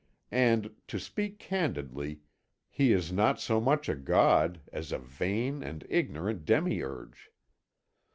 And, to speak candidly, He is not so much a god as a vain and ignorant demiurge.